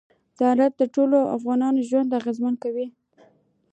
زراعت د ټولو افغانانو ژوند اغېزمن کوي.